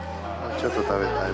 ちょっと食べたい。